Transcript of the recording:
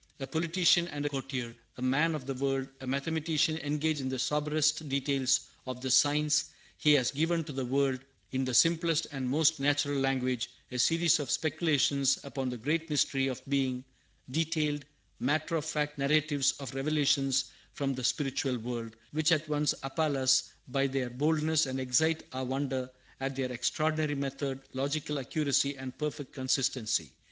A politician and a courtier, a man of the world, a mathematician engaged in the soberest details of the science, he has given to the world, in the simplest and most natural language, a series of speculations upon the great mystery of being: detailed, matter of fact narratives of revelations from the spiritual world, which at once appall us by their boldness, and excite our wonder at their extraordinary method, logical accuracy, and perfect consistency.